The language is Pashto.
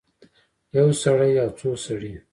یو سړی او څو سړي